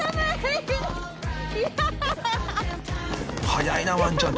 ［速いなワンちゃん。